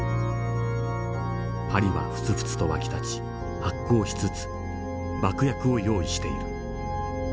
パリはふつふつと沸き立ち発酵しつつ爆薬を用意している。